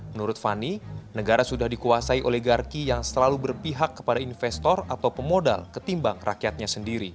menurut fani negara sudah dikuasai oleh garki yang selalu berpihak kepada investor atau pemodal ketimbang rakyatnya sendiri